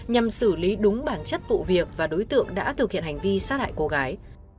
nhằm xử lý đúng bản chất vụ việc và đối tượng đã thực hiện hành vi sát hại cô gái